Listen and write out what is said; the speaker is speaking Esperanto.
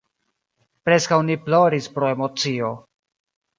Preskaŭ ni ploris pro emocio.